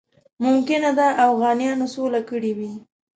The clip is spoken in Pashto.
ممکنه ده اوغانیانو سوله کړې وي.